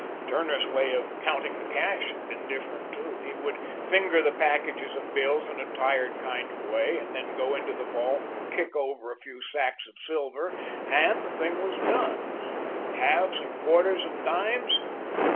Turner's way of counting the cash had been different, too. He would finger the packages of bills in a tired kind of way, and then go into the vault and kick over a few sacks of silver, and the thing was done. Halves and quarters and dimes?